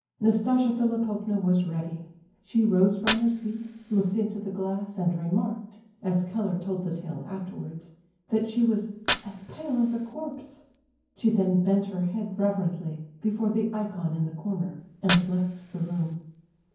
Nastasia Philipovna was ready. She rose from her seat, looked into the glass and remarked, as Keller told the tale afterwards, that she was "as pale as a corpse." She then bent her head reverently, before the ikon in the corner, and left the room.